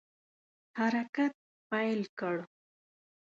حرکت پیل کړ.